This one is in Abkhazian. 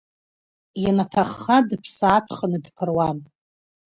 Ианаҭахха дыԥсаатәханы дԥыруан.